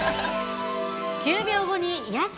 ９秒後に癒やし！